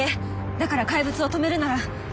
だから怪物を止めるなら。